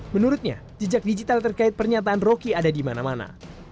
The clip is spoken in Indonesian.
menurutnya jejak digital terkait pernyataan roky ada di mana mana